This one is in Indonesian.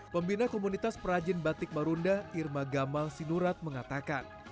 pembina komunitas perajin batik marunda irma gamal sinurat mengatakan